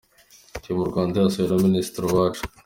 Team Rwanda yasuwe na Minisitiri Uwacu.